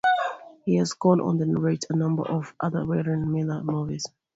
He has gone on to narrate a number of other Warren Miller movies.